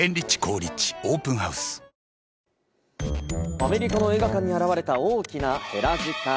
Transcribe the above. アメリカの映画館に現れた大きなヘラジカ。